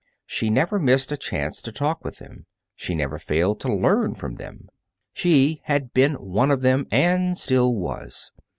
She never missed a chance to talk with them. She never failed to learn from them. She had been one of them, and still was.